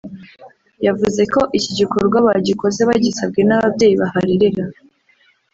yavuze ko iki gikorwa bagikoze bagisabwe n’ababyeyi baharerera